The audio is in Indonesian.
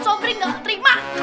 sobri gak terima